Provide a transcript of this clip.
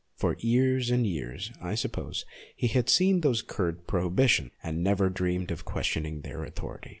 For years and years, I suppose, he had seen those curt prohibitions, and never dreamed of questioning their authority.